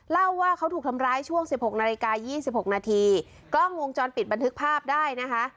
เล่าว่าเขาถูกทำร้ายช่วงสิบหกนาฬิกา๒๖นาทีกล้องวงจรปิดบันทึกภาพได้นะคะ